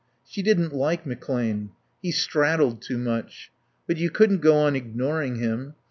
She didn't like McClane. He straddled too much. But you couldn't go on ignoring him.